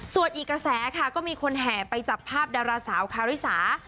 ส่วนอีกกระแสค่ะก็มีคนแห่ไปจับภาพดาราสาวคาริสา